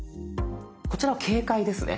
こちらは警戒ですね。